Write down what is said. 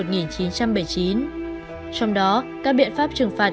trong đó các biện pháp trừng phạt